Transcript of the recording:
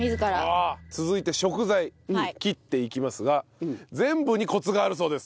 続いて食材切っていきますが全部にコツがあるそうです。